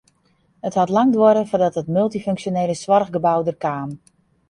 It hat lang duorre foardat it multyfunksjonele soarchgebou der kaam.